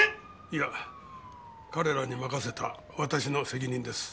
いや彼らに任せた私の責任です。